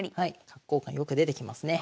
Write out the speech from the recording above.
角交換よく出てきますね。